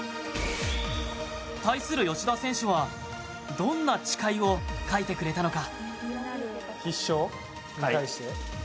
対する吉田選手はどんな誓いを書いてくれたのか？